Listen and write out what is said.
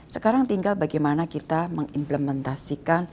sekarang tinggal bagaimana kita mengimplementasi